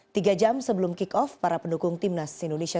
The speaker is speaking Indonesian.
tiga jam sebelum kick off para pendukung timnas indonesia